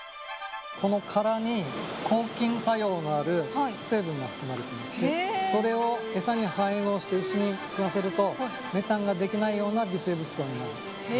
この殻に、抗菌作用のある成分が含まれていまして、それを餌に配合して牛に食わせると、メタンが出来ないような微生物層になる。